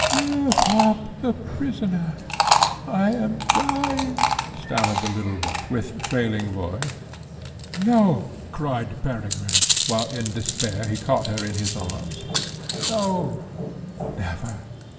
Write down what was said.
"Give up the prisoner I am dying!" stammered the little one, with failing voice. "No!" cried Peregrine, while in despair he caught her in his arms "No! never!